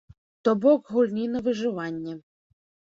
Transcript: То бок гульні на выжыванне.